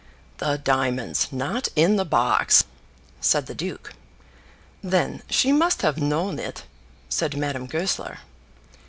"The diamonds not in the box!" said the duke. "Then she must have known it," said Madame Goesler.